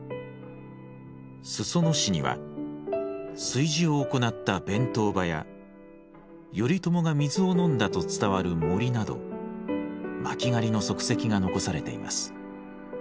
裾野市には炊事を行った弁当場や頼朝が水を飲んだと伝わる森など巻狩りの足跡が残されています。